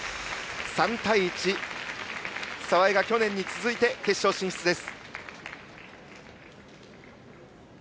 ３対１、澤江が去年に続き決勝進出です。